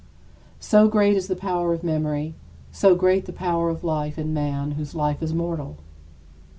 So great is the power of memory, so great the power of life in man whose life is mortal!